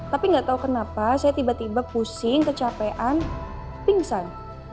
tapi nggak tahu kenapa saya tiba tiba pusing kecapean pingsan